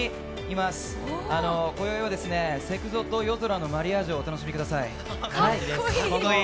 今宵はセクゾと夜空のマリアージュをお楽しみください。